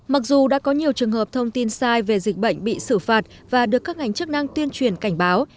mặc dù đã có nhiều trường hợp thông tin sai về dịch bệnh bị xử phạt và được các ngành chức năng tuyên truyền cảnh báo